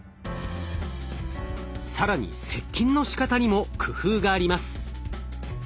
更に接近のしかたにも工夫があります。